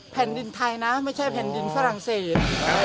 แผ่นดินไทยนะไม่ใช่แผ่นดินฝรั่งเศส